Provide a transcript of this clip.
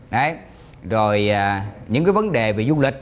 đấy rồi những cái vấn đề về du lịch